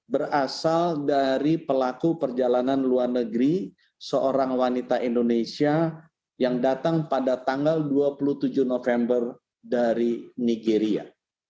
berasal dari pelaku perjalanan luar negeri seorang wanita indonesia yang datang pada tanggal dua puluh tujuh november dari nigeria